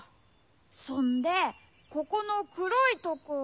そんでここのくろいとこを。